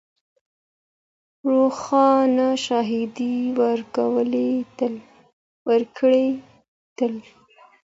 روښانه شاهدي ورکوي تل